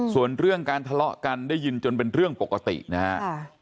ส่วนเรื่องการทะเลาะกันได้ยินจนเป็นเรื่องปกตินะครับ